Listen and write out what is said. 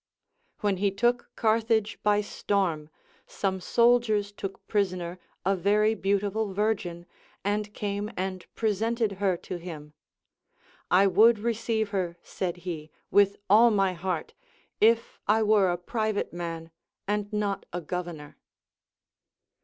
When he took Carthage by storm, some soldiers took prisoner a very beautiful virgin, and came and presented her to him. I ΛνοηΜ receive her, said he, with all my heart, if I were a private man and not a governor.